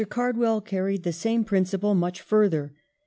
Cardwell carried the same principle much further.